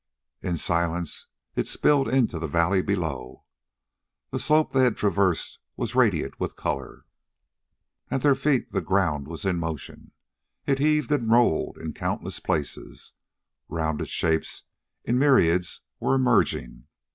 In silence it spilled into the valley below. The slope they had traversed was radiant with color. At their feet the ground was in motion: it heaved and rolled in countless places. Rounded shapes in myriads were emerging.